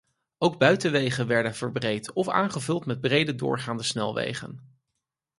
Ook buitenwegen werden verbreed of aangevuld met brede doorgaande snelwegen.